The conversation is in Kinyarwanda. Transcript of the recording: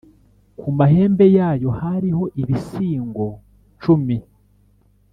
Ku mahembe yayo hariho ibisingo cumi,